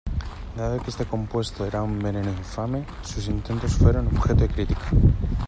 Dado que este compuesto era un veneno infame, sus intentos fueron objeto de crítica.